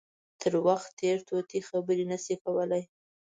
تر وخت تېر طوطي خبرې نه شي کولای.